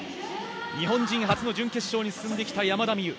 日本人初の準決勝に進んできた山田美諭。